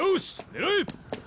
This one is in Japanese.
狙え！